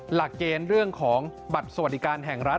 หลักเกณฑ์เรื่องของบัตรสวัสดิการแห่งรัฐ